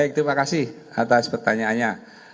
baik terima kasih atas pertanyaannya